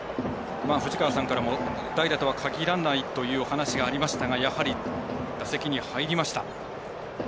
藤川さんからも代打とはかぎらないというお話がありましたがやはり、打席に入りました。